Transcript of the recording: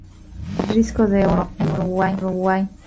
Fue disco de oro en Uruguay.